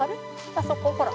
あそこほら。